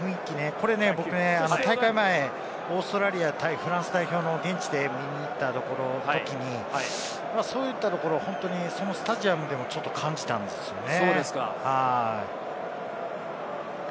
これ僕ね、大会前、オーストラリア対フランス代表の現地で見に行ったときに、そういったところ、そのスタジアムでも、ちょっと感じたんですよね。